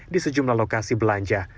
di sejumlah lokasi belanja